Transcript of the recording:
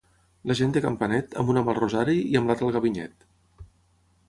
La gent de Campanet, amb una mà el rosari i amb l'altra el ganivet.